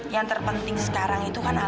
yang terpenting sekarang itu kan